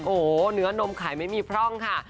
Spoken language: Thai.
โอ้โหเนื้อนมไข่ไม่มีพร่องค่ะ